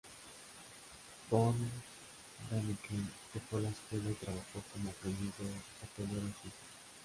Von Däniken dejó la escuela y trabajó como aprendiz de un hotelero suizo.